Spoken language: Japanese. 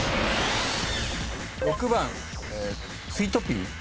６番スイートピー？